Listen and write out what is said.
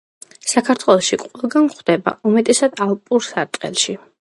საქართველოში ყველგან გვხვდება, უმეტესად ალპურ სარტყელში.